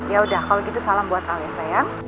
yaudah kalau gitu salam buat al ya sayang